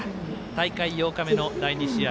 大会８日目の第２試合